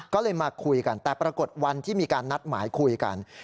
ก็เลยมาคุยกันแต่ปรากฏวันที่มีการนัดหมายคุยกัน